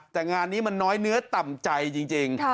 แต่งานนี้มันน้อยเนื้อต่ำใจจริง